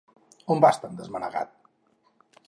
On vas tan desmanegat?